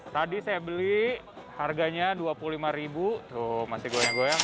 tadi saya beli harganya rp dua puluh lima tuh masih goyang goyang